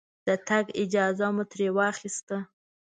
د تګ اجازه مو ترې واخسته.